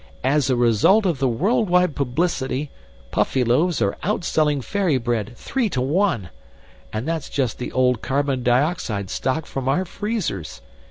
"As a result of the worldwide publicity, Puffyloaves are outselling Fairy Bread three to one and that's just the old carbon dioxide stock from our freezers!